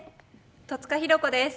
戸塚寛子です。